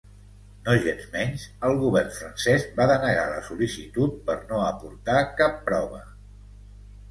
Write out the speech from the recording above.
Nogensmenys, el govern francès va denegar la sol·licitud per no aportar cap prova.